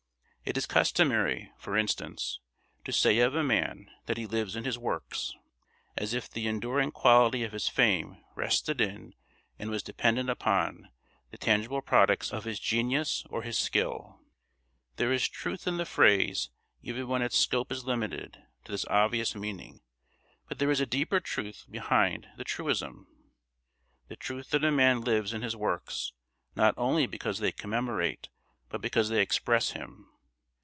It is customary, for instance, to say of a man that he lives in his works; as if the enduring quality of his fame rested in and was dependent upon the tangible products of his genius or his skill. There is truth in the phrase even when its scope is limited to this obvious meaning; but there is a deeper truth behind the truism, the truth that a man lives in his works, not only because they commemorate but because they express him.